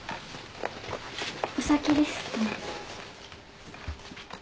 お先です。